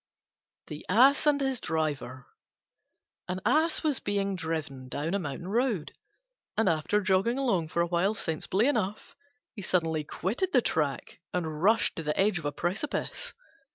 THE ASS AND HIS DRIVER An Ass was being driven down a mountain road, and after jogging along for a while sensibly enough he suddenly quitted the track and rushed to the edge of a precipice.